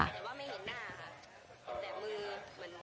แต่ว่าไม่เห็นหน้าค่ะแต่มือเหมือน